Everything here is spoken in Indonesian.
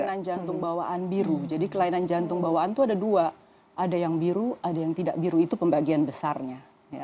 kelainan jantung bawaan biru jadi kelainan jantung bawaan itu ada dua ada yang biru ada yang tidak biru itu pembagian besarnya